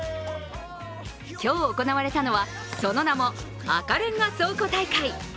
今日行われたのはその名も赤レンガ倉庫大会。